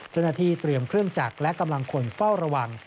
ธนาธิเตรียมเครื่องจักรและกำลังคนเฝ้าระวัง